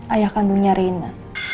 ayah kandungnya reina